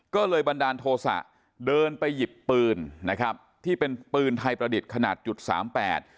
ก็เลยบันดาลโทษะเดินไปหยิบปืนนะครับที่เป็นปืนไทยประดิษฐ์ขนาดจุดสามแปด